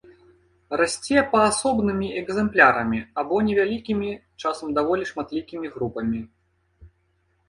Расце паасобнымі экземплярамі або невялікімі, часам даволі шматлікімі групамі.